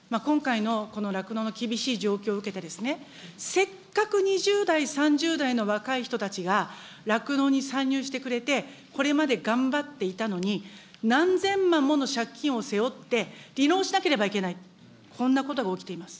今回のこの酪農の厳しい状況を受けてですね、せっかく２０代、３０代の若い人たちが酪農に参入してくれて、これまで頑張っていたのに、何千万もの借金を背負って、離農しなければいけない、こんなことが起きています。